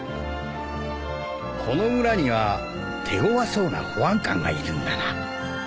この村には手ごわそうな保安官がいるんだな。